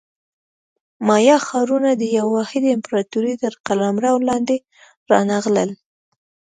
مایا ښارونه د یوې واحدې امپراتورۍ تر قلمرو لاندې رانغلل.